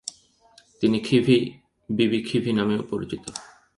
তিনি খিভি, বিবি খিভি নামেও পরিচিত।